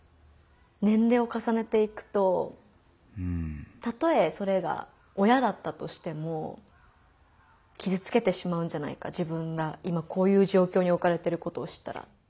年齢をかさねていくとたとえそれが親だったとしても傷つけてしまうんじゃないか自分が今こういう状況におかれてることを知ったら。